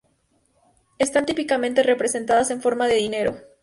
Están típicamente representadas en forma de dinero.